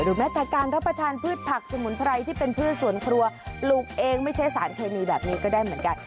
แม้แต่การรับประทานพืชผักสมุนไพรที่เป็นพืชสวนครัวปลูกเองไม่ใช่สารเคมีแบบนี้ก็ได้เหมือนกัน